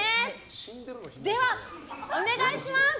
では、お願いします！